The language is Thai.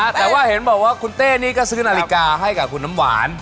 แต่ว่าเห็นบอกว่าคุณเต้นี่ก็ซื้อนาฬิกาให้กับคุณน้ำหวาน